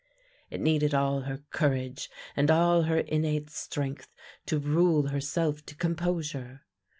It needed all her courage and all her innate strength to rule herself to composure.